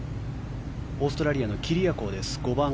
オーストラリアのキリアコーです５番。